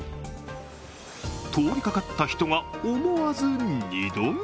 通りかかった人が思わず二度見。